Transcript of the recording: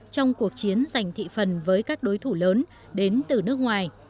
trong cuộc chiến giành thị phần với các đối thủ lớn đến từ nước ngoài